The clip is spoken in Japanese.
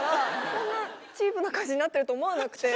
こんなチープな感じになってると思わなくて。